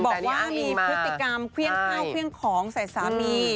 บอกว่ามีพฤติกรรมเครื่องข้าวเครื่องของใส่สามี